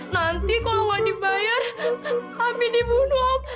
nanti kalau nggak dibayar ami dibunuh om